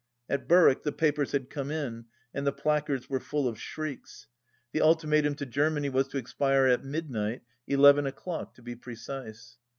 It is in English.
At Berwick the papers had come in and the placards were full of shrieks. The ultimatum to Germany was to expire at midnight — eleven o'clock, to be precise.